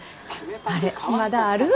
あれまだある？